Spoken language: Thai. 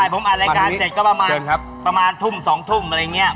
ใช่ผมอัดรายการเสร็จก็ประมาณประมาณทุ่มสองทุ่มอะไรอย่างเงี้ย